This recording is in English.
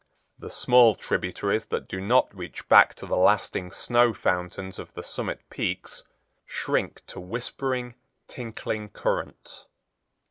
The small tributaries that do not reach back to the lasting snow fountains of the summit peaks shrink to whispering, tinkling currents.